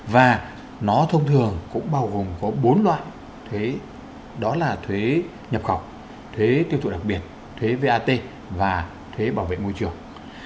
và nó thông thường cũng bao gồm có bốn loại thuế đó là thuế nhập khẩu thuế tiêu thụ đặc biệt thuế vat và thuế bảo vệ môi trường